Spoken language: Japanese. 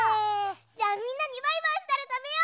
じゃあみんなにバイバイしたらたべよう！